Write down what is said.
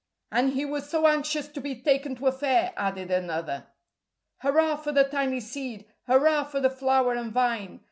"And he was so anxious to be taken to a fair," added another. Hurrah for the tiny seed! Hurrah for the flower and vine!